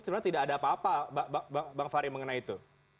sebenarnya tidak ada apa apa bang fahri mengenai itu